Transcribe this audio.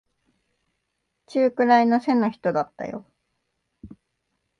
中くらいの背の人だったよ。